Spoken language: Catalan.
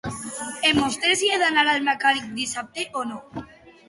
Em mostres si he d'anar al mecànic dissabte o no?